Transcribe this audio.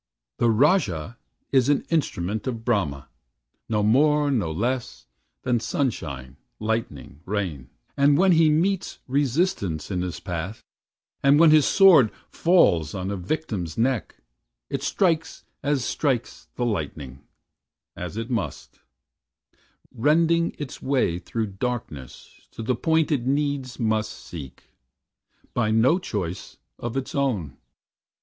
"The Rajah is an instrument of Brahma, No more, no less, than sunshine, lightning, rain; And when he meets resistance in his path, And when his sword falls on a victim's neck, It strikes as strikes the lightning as it must; Rending it way through darkness to the point It needs must seek, by no choice of its own.